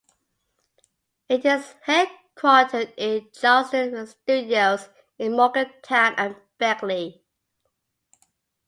It is headquartered in Charleston with studios in Morgantown and Beckley.